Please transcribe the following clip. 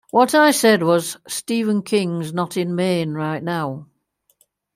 What I said was, Stephen King's not in Maine right now.